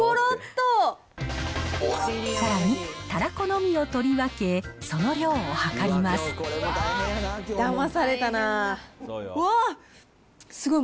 さらに、たらこのみを取り分け、その量を量ります。